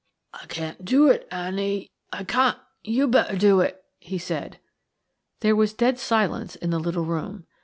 "I can't do it, Annie, I can't–you'd better do it," he said. There was dead silence in the little room.